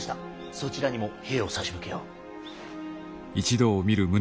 そちらにも兵を差し向けよう。